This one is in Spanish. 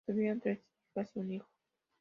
Tuvieron tres hijas y un hijo.